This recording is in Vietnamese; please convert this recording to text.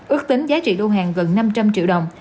ước tính giá trị lô hàng gần năm trăm linh triệu đồng